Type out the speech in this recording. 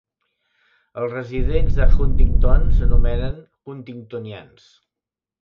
Els residents de Huntington s'anomenen "Huntingtonians".